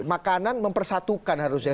makanan mempersatukan harusnya